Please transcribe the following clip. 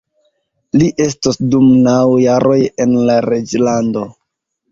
Li estos dum naŭ jaroj en la reĝlando.